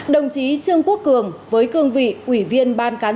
đồng chí trương quốc cường với cương vị ủy viên ban cán sự